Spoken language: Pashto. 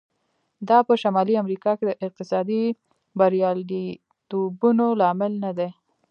دا په شمالي امریکا کې د اقتصادي بریالیتوبونو لامل نه دی.